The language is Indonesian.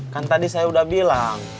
kan tadi saya sudah bilang